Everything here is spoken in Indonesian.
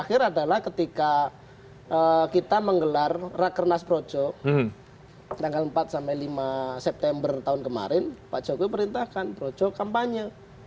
kita menggelar rakernas projo tanggal empat lima september tahun kemarin pak jokowi perintahkan projo kampanye